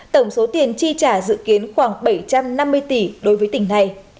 tổng số tiền chi trả dự kiến khoảng bảy trăm năm mươi tỷ đối với tỉnh này